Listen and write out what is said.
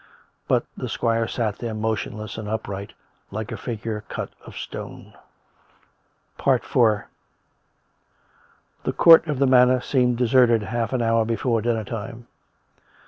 But the squire sat there, motionless and upright, like a figure cut of stone. IV The court of the manor seemed deserted half an hour before dinner time.